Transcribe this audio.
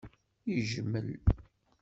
Yejmel.